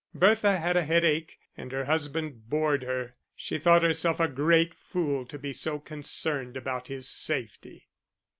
Bertha had a headache, and her husband bored her; she thought herself a great fool to be so concerned about his safety.